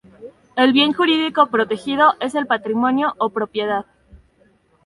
El bien jurídico protegido es el patrimonio o propiedad.